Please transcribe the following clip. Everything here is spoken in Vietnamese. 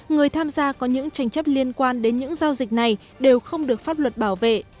người tham gia có những tranh chấp liên quan đến những giao dịch này đều không được pháp luật bảo vệ